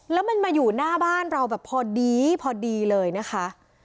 แล้วมันมาอยู่หน้าบ้านเราแบบพอดีพอดีเลยนะคะ